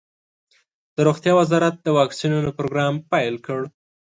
د روغتیا وزارت د واکسینونو پروګرام پیل کړ.